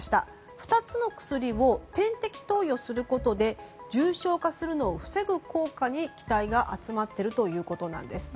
２つの薬を点滴投与することで重症化するのを防ぐ効果に期待が集まっているということです。